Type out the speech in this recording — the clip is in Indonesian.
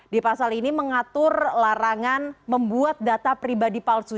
di pasal ini mengatur larangan membuat data pribadi palsu